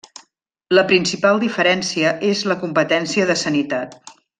La principal diferència és la competència de sanitat.